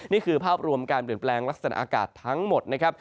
นี่คือภาพรวมการเปลี่ยนแปลงลักษณะอากาศทั้งหมดนะครับ